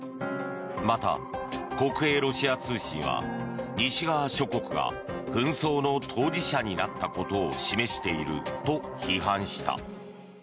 また、国営ロシア通信は西側諸国が紛争の当事者になったことを示していると批判した。